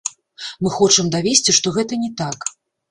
Мы хочам давесці, што гэта не так.